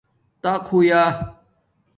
تٰق ہویئآ